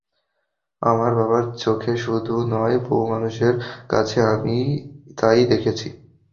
আমার বাবার চোখে শুধু নয়, বহু মানুষের কাছে আমি তা-ই দেখেছি।